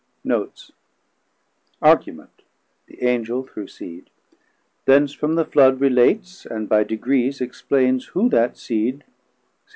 Notes: Argument: The Angel.... seed] Thence from the Flood relates, and by degrees explains who that seed 1667.